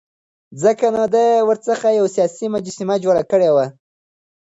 ځکه نو ده ورڅخه یوه سیاسي مجسمه جوړه کړې وه.